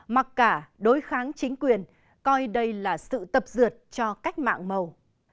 mặc cả đối kháng chính quyền coi đây là sự tập dượt cho cách mạng màu